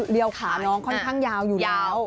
เรียวขาน้องค่อนข้างยาวอยู่แล้ว